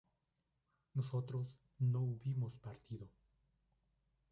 nosotros no hubimos partido